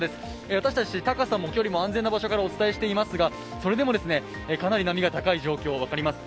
私たち高さも距離も安全な場所からお伝えしていますが、それでもかなり波が高い状況が分かります。